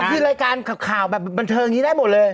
คือรายการข่าวแบบบันเทิงอย่างนี้ได้หมดเลย